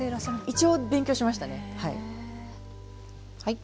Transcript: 一応勉強しましたねはい。